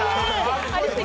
ありすぎて？